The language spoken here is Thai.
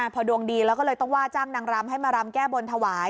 พอดวงดีแล้วก็เลยต้องว่าจ้างนางรำให้มารำแก้บนถวาย